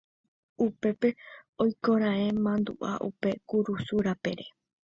Upépe oikoraẽ mandu'a upe kurusu rapére